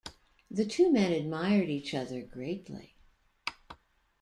The two men admired each other greatly.